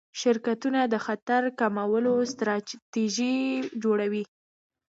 شرکتونه د خطر کمولو ستراتیژي جوړوي.